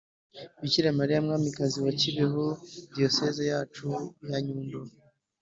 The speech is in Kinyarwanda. bikira mariya mwamikazi wa kibeho. diyosezi yacu yanyundo